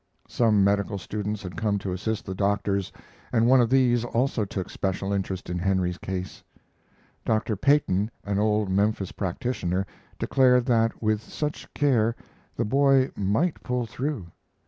Some medical students had come to assist the doctors, and one of these also took special interest in Henry's case. Dr. Peyton, an old Memphis practitioner, declared that with such care the boy might pull through.